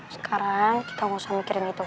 sekarang kita gak usah mikirin itu